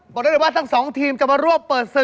บอกได้เลยว่าสัก๒ทีมจะมาร่วมเปิดศึก